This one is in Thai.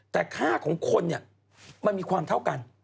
แต่ค่าของคนเนี่ยมันมีความเท่ากัน